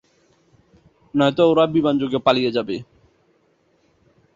নয়তো ওরা বিমানযোগে পালিয়ে যাবে।